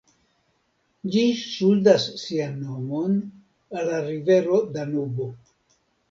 Ĝi ŝuldas sian nomon al la rivero Danubo.